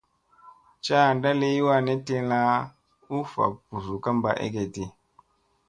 Caanda liy wanni tilla u vaa busu ka ba egeɗti.